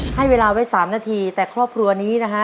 ให้เวลาไว้๓นาทีแต่ครอบครัวนี้นะฮะ